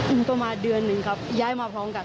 อยู่ประมาณเดือนหนึ่งครับย้ายมาพร้อมกัน